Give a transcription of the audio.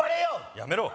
やめろ！